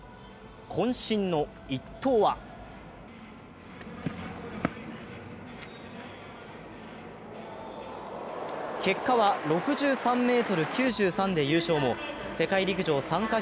こん身の一投は結果は６３ｍ９３で優勝も、世界陸上参加